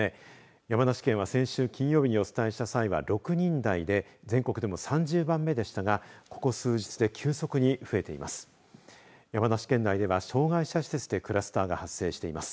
山梨県は先週金曜日にお伝えした際は６人台で全国でも３０番目でしたがここ数日で急速に増えています。